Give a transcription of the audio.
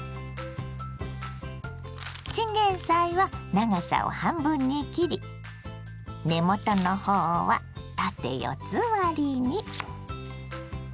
チンゲンサイは長さを半分に切り根元の方は縦四つ割りに。